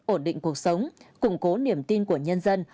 ổn định cuộc sống củng cố niềm tin của nhân dân